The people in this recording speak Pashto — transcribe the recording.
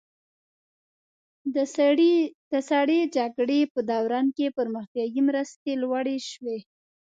د سړې جګړې په دوران کې پرمختیایي مرستې لوړې شوې.